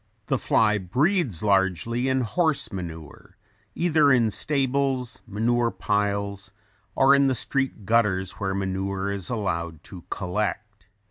The fly breeds largely in horse manure either in stables, manure piles or in street gutters where manure is allowed to collect.